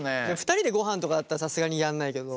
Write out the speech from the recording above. ２人でごはんとかだったらさすがにやんないけど。